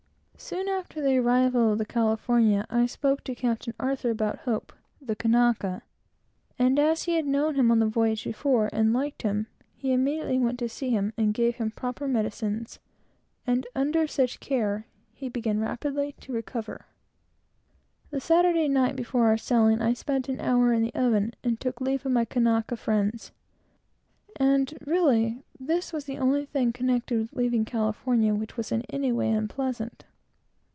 Soon after the arrival of the California, I spoke to Captain Arthur about Hope; and as he had known him on the voyage before, and was very fond of him, he immediately went to see him, gave him proper medicines, and, under such care, he began rapidly to recover. The Saturday night before our sailing, I spent an hour in the oven, and took leave of my Kanaka friends; and, really, this was the only thing connected with leaving California which was in any way unpleasant.